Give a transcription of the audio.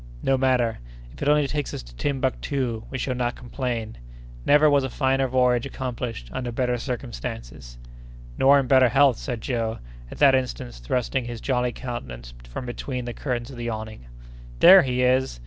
"No matter; if it only takes us to Timbuctoo, we shall not complain. Never was a finer voyage accomplished under better circumstances!" "Nor in better health," said Joe, at that instant thrusting his jolly countenance from between the curtains of the awning. "There he is!